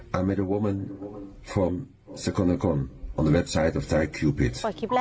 ฉันเจอกับผู้หญิงจากสโกนาคอลในเว็บไซต์ของไทยคิวปิด